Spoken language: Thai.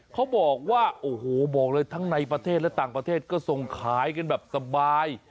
เขาบอกว่าโอ้โหบอกเลยทั้งในประเทศและต่างประเทศก็ส่งขายกันแบบสบาย